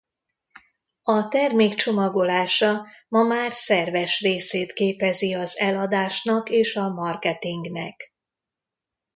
A termék csomagolása ma már szerves részét képezi az eladásnak és a marketingnek.